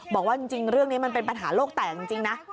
บอกว่าจริงเรื่องนี้มันเป็นปัญหาโลกแตกจริงนะ